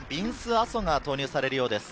・アソが投入されるようです。